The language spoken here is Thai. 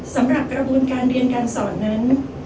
สำหรับกระบวนการเรียนการสอนนั้น